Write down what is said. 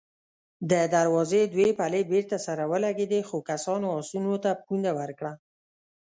د دروازې دوې پلې بېرته سره ولګېدې، څو کسانو آسونو ته پونده ورکړه.